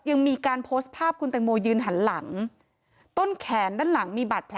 ยังมีการโพสต์ภาพคุณตังโมยืนหันหลัง